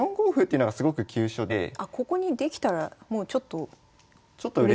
あここにできたらもうちょっとうれしい？